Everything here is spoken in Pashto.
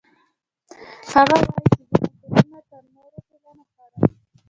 هغه وایي چې زموږ ټولنه تر نورو ټولنو ښه ده